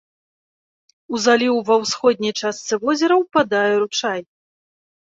У заліў ва ўсходняй частцы возера ўпадае ручай.